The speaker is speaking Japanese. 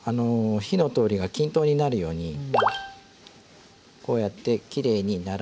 火の通りが均等になるようにこうやってきれいに並べて